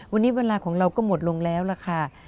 วันนี้เวลาของเราก็หมดลงแล้วล่ะค่ะ